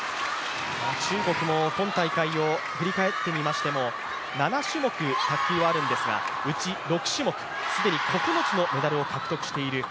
中国も今大会を振り返ってみましても７種目、卓球はあるんですがうち６種目、既に９つのメダルを獲得している。